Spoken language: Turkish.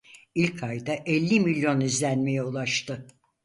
İlk ayda elli milyon izlenmeye ulaştı.